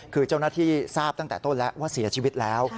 คือเจ้าหน้าที่ทราบตั้งแต่ต้นแล้วว่าเสียชีวิตแล้ว